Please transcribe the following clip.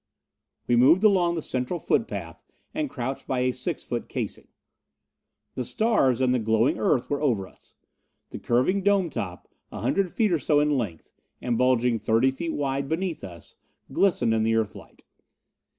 We moved along the central footpath and crouched by a six foot casing. The stars and the glowing Earth were over us. The curving dome top a hundred feet or so in length, and bulging thirty feet wide beneath us glistened in the Earthlight.